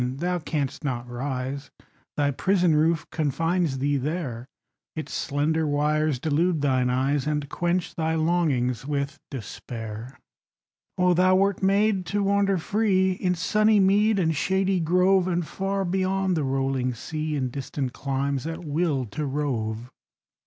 Thou canst not rise: Thy prison roof confines thee there; Its slender wires delude thine eyes, And quench thy longings with despair. Oh, thou wert made to wander free In sunny mead and shady grove, And far beyond the rolling sea, In distant climes, at will to rove!